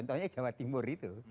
di jawa timur itu